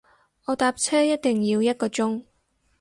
我搭車一定要一個鐘